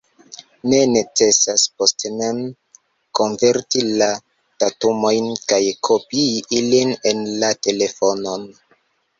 Ne necesas poste mem konverti la datumojn kaj kopii ilin en la telefonon.